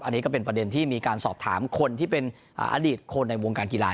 อันนี้ก็เป็นประเด็นที่มีการสอบถามคนที่เป็นอดีตคนในวงการกีฬา